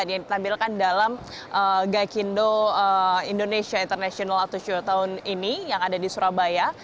yang ditampilkan dalam gekindo indonesia international atau show town ini yang ada di surabaya